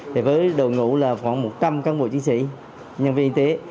thì với đội ngũ là khoảng một trăm linh cán bộ chiến sĩ nhân viên y tế